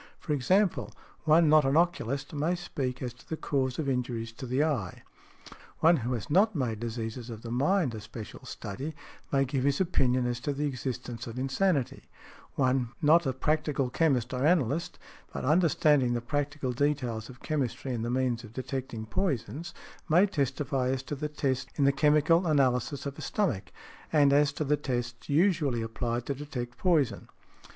For example, one not an oculist may speak as to the cause of injuries to an eye; one who has not made diseases of the mind a special study may give his opinion as to the existence of insanity; one not a practical chemist or analyst, but understanding the practical details of chemistry and the means of detecting poisons, may testify as to the tests in the chemical analysis of a stomach, and as to the tests usually applied to detect poison .